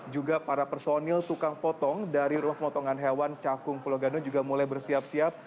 juga para personil tukang potong dari rumah pemotongan hewan cakung pulau gadung juga mulai bersiap siap